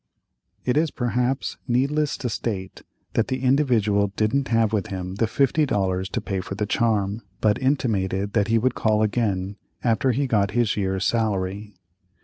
It is, perhaps, needless to state that the Individual didn't have with him the fifty dollars to pay for the charm, but intimated that he would call again, after he got his year's salary.